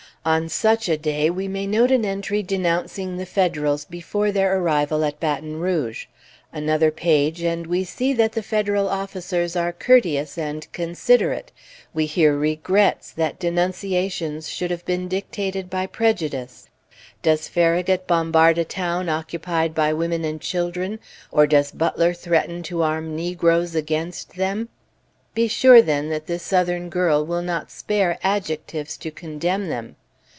On such a day, we may note an entry denouncing the Federals before their arrival at Baton Rouge; another page, and we see that the Federal officers are courteous and considerate, we hear regrets that denunciations should have been dictated by prejudice. Does Farragut bombard a town occupied by women and children, or does Butler threaten to arm negroes against them? Be sure, then, that this Southern girl will not spare adjectives to condemn them!